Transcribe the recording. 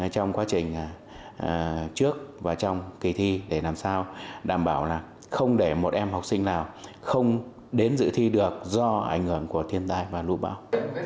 trong quá trình trước và trong kỳ thi để làm sao đảm bảo là không để một em học sinh nào không đến dự thi được do ảnh hưởng của thiên tai và lũ bão